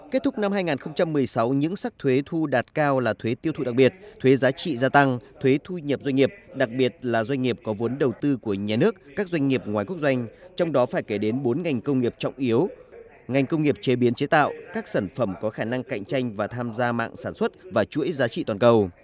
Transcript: kết thúc năm hai nghìn một mươi sáu những sắc thuế thu đạt cao là thuế tiêu thụ đặc biệt thuế giá trị gia tăng thuế thu nhập doanh nghiệp đặc biệt là doanh nghiệp có vốn đầu tư của nhà nước các doanh nghiệp ngoài quốc doanh trong đó phải kể đến bốn ngành công nghiệp trọng yếu ngành công nghiệp chế biến chế tạo các sản phẩm có khả năng cạnh tranh và tham gia mạng sản xuất và chuỗi giá trị toàn cầu